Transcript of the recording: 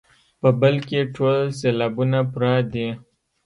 په بل کې ټول سېلابونه پوره دي.